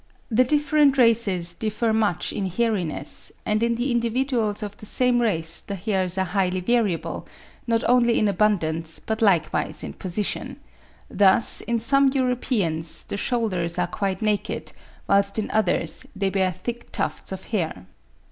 The different races differ much in hairiness; and in the individuals of the same race the hairs are highly variable, not only in abundance, but likewise in position: thus in some Europeans the shoulders are quite naked, whilst in others they bear thick tufts of hair.